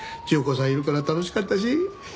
千代子さんいるから楽しかったし。